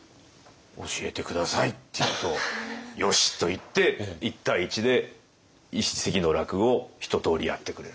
「教えて下さい」って言うと「よし」と言って１対１で一席の落語をひととおりやってくれるという。